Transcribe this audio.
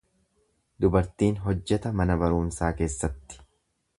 Dubartiin hojjeta mana barumsaa keessatti.